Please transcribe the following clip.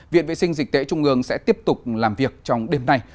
viện vệ sinh dịch tễ trung ương sẽ tiếp tục làm việc trong đêm nay